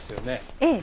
ええ。